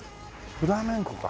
フラメンコか。